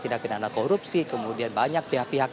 tindak pidana korupsi kemudian banyak pihak pihak